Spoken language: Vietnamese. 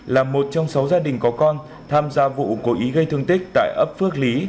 là một trong sáu gia đình có con tham gia vụ cố ý gây thương tích tại ấp phước lý